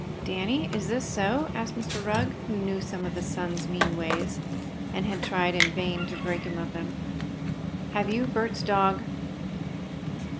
"Danny, is this so?" asked Mr. Rugg, who knew some of his son's mean ways, and had tried in vain to break him of them. "Have you Bert's dog?"